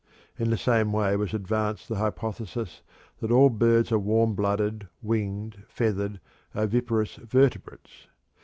In the same way was advanced the hypothesis that "all birds are warm blooded, winged, feathered, oviparous vertebrates."